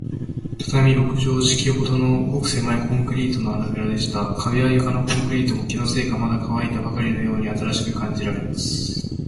畳六畳敷きほどの、ごくせまいコンクリートの穴ぐらでした。壁や床のコンクリートも、気のせいか、まだかわいたばかりのように新しく感じられます。